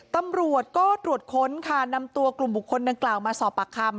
ตำรวจก็ตรวจค้นค่ะนำตัวกลุ่มบุคคลดังกล่าวมาสอบปากคำ